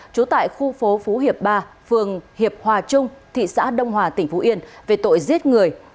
trú tại khu phố phú hiệp ba phường hiệp hòa trung thị xã đông hòa tỉnh phú yên về tội giết người